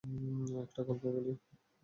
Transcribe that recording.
একটা গল্প বলি।